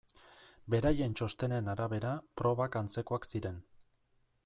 Beraien txostenen arabera probak antzekoak ziren.